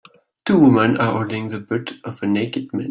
Two women are holding the butt of a naked man